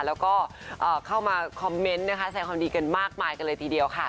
แล้วก็เข้ามาคอมเมนต์นะคะแสดงความดีกันมากมายกันเลยทีเดียวค่ะ